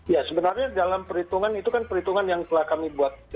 ya sebenarnya dalam perhitungan itu kan perhitungan yang telah kami buat